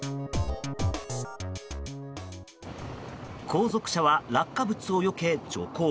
後続車は落下物をよけ徐行。